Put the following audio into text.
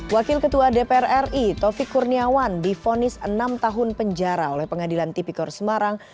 wakil ketua dpr ri taufik kurniawan difonis enam tahun penjara oleh pengadilan tipikor semarang